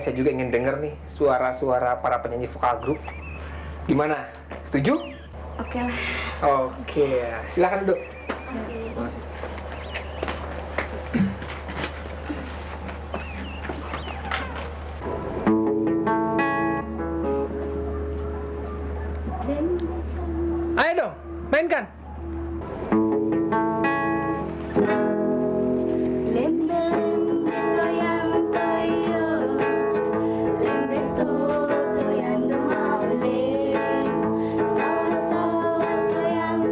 saya juga ingin denger nih suara suara para penyanyi vokal grup gimana setuju oke oke silahkan